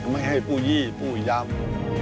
ไม่ให้ผู้ยี่ผู้ยำ